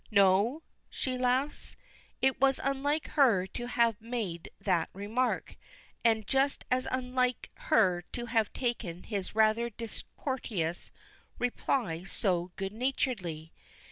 "No?" she laughs. It was unlike her to have made that remark, and just as unlike her to have taken his rather discourteous reply so good naturedly.